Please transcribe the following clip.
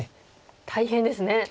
大変ですね。